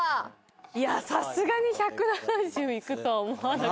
いやさすがに１７０いくとは思わなかった。